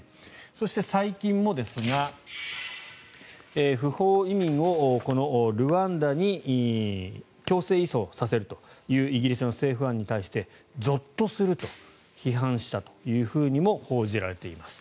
そして、最近もですが不法移民をルワンダに強制移送させるというイギリスの政府案に対してゾッとすると批判したとも報じられています。